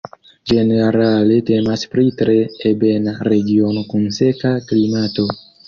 Ĝenerale temas pri tre ebena regiono kun seka klimato.